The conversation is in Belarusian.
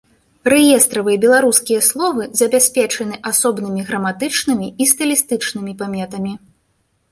Рэестравыя беларускія словы забяспечаны асобнымі граматычнымі і стылістычнымі паметамі.